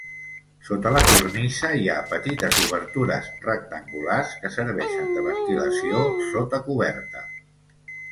Sota la cornisa hi ha petites obertures rectangulars que serveixen de ventilació sota coberta.